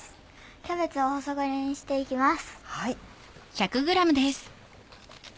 キャベツを細切りにしていきます。